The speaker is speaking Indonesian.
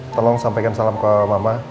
tolong sampaikan salam ke mama